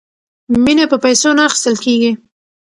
مینه په پیسو نه اخیستل کیږي.